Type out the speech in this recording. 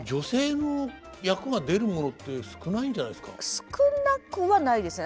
少なくはないですね。